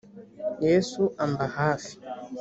yesu ambahafi.